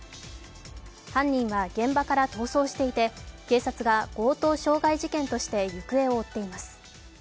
犯人は現場から逃走していて、警察が強盗傷害事件として行方を追っています。